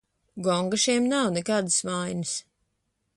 Gonga šiem nav, nekādas vainas.